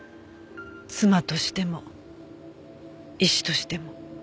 妻としても医師としても。